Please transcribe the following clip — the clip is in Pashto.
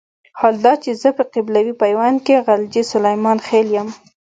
حال دا چې زه په قبيلوي پيوند کې غلجی سليمان خېل يم.